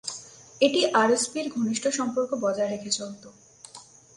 এটি আরএসপি'র ঘনিষ্ঠ সম্পর্ক বজায় রেখে চলতো।